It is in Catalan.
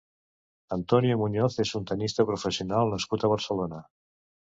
Antonio Muñoz és un tennista professional nascut a Barcelona.